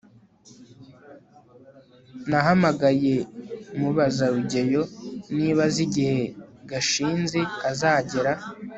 nahamagaye mubaza rugeyo niba azi igihe gashinzi azagera